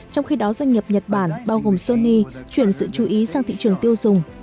trong khi đó doanh nghiệp nhật bản bao gồm sony chuyển sự chú ý sang thị trường tiêu dùng